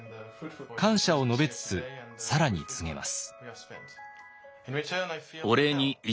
感謝を述べつつ更に告げます。